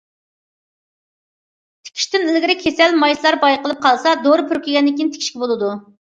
تىكىشتىن ئىلگىرى كېسەل مايسىلار بايقىلىپ قالسا، دورا پۈركىگەندىن كېيىن تىكىشكە بولىدۇ.